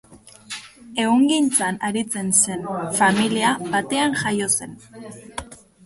Ehungintzan aritzen zen familia batean jaio zen.